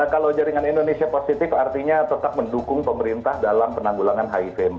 kalau jaringan indonesia positif artinya tetap mendukung pemerintah dalam penanggulangan hiv